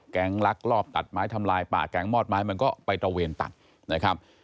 ลักลอบตัดไม้ทำลายป่าแก๊งมอดไม้มันก็ไปตระเวนตัดนะครับ